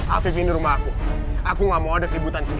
aviv ini rumah aku aku gak mau ada keributan di sini